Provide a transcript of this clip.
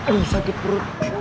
eh sakit perut